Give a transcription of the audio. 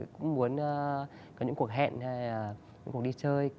cũng muốn có những cuộc hẹn hay cuộc đi chơi